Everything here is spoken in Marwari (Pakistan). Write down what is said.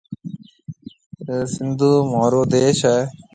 سنڌه مهورو ديس هيَ۔